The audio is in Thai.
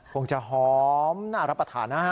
กลงจะหอมน่ารับประถานนะ